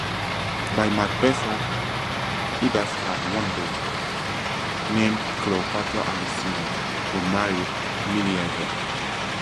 By Marpessa, Idas had one daughter named Cleopatra Alcyone who married Meleager.